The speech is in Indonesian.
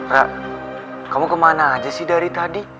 rak kamu kemana aja sih dari tadi